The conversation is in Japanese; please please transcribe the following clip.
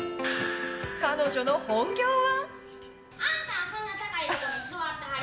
彼女の本業は。